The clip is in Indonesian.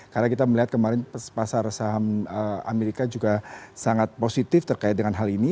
karena kita melihat kemarin pasar saham amerika juga sangat positif terkait dengan hal ini